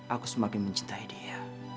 aku semakin mencintai dia